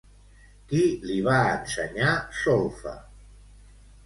Qui li va ensenyar solfa?